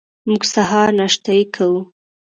موږ سهار ناشتې کوو.